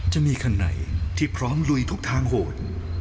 จะมีคันไหนที่พร้อมลุยทุกทางโหด